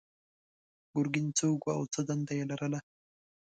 ګرګین څوک و او څه دنده یې لرله؟